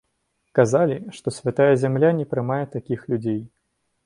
Казалі, што святая зямля не прымае такіх людзей.